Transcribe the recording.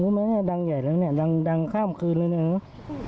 ไหมเนี่ยดังใหญ่แล้วเนี่ยดังข้ามคืนเลยนะ